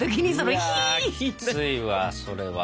うわきついわそれは。